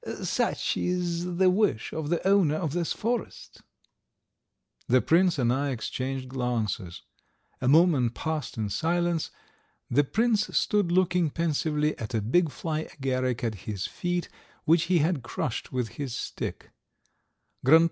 "Such is the wish of the owner of this forest!" The prince and I exchanged glances. A moment passed in silence. The prince stood looking pensively at a big fly agaric at his feet, which he had crushed with his stick.